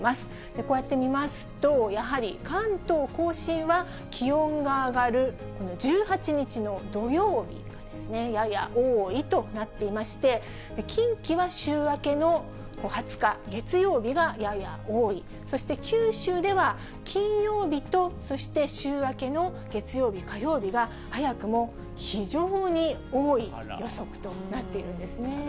こうやって見ますと、やはり、関東甲信は気温が上がるこの１８日の土曜日、やや多いとなっていまして、近畿は週明けの２０日月曜日がやや多い、そして九州では金曜日と、そして週明けの月曜日、火曜日が、早くも非常に多い予測となっているんですね。